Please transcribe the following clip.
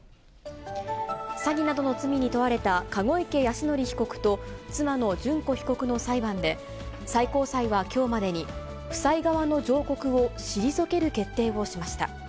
詐欺などの罪に問われた籠池泰典被告と妻の諄子被告の裁判で、最高裁はきょうまでに、夫妻側の上告を退ける決定をしました。